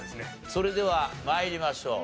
それでは参りましょう。